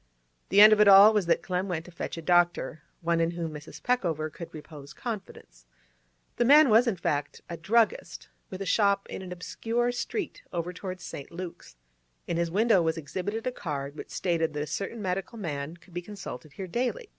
The end of it all was that Clem went to fetch a doctor; one in whom Mrs. Peckover could repose confidence. The man was, in fact, a druggist, with a shop in an obscure street over towards St. Luke's; in his window was exhibited a card which stated that a certain medical man could be consulted here daily.